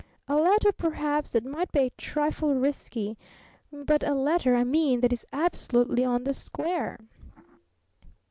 A letter, perhaps, that might be a trifle risky but a letter, I mean, that is absolutely on the square!"